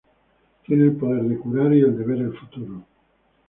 Tiene el poder de curar y el de ver el futuro.